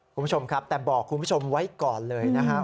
คุณผู้ชมครับแต่บอกคุณผู้ชมไว้ก่อนเลยนะครับ